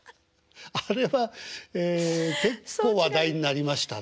あれは結構話題になりましたね。